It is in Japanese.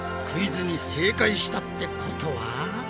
クイズに正解したってことは？